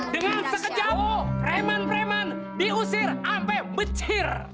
dengan sekejap reman reman diusir sampai becir